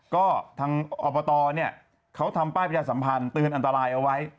ก็ทางอบตเนี่ยเขาทำป้ายประชาสัมพันธ์เตือนอันตรายเอาไว้